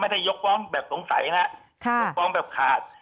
ไม่ได้ยกฟ้องแบบสงสัยนะต้องพอว่าจะยกฟ้องขาด